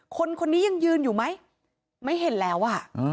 คนนี้ยังยืนอยู่ไหมไม่เห็นแล้วอ่ะ